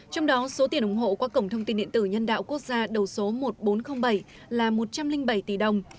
trong đó số tiền ủng hộ qua cổng thông tin điện tử nhân đạo quốc gia đầu số một nghìn bốn trăm linh bảy là một trăm linh bảy tỷ đồng